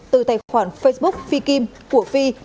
từ tài khoản facebook phi kim của phi